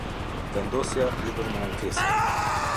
Vendosja lidhur me ankesën.